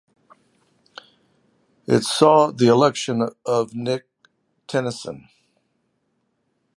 It saw the election of Nick Tennyson.